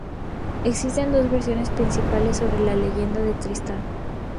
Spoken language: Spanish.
Existen dos versiones principales sobre la leyenda de Tristán.